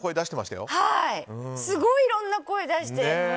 すごい、いろんな声を出して。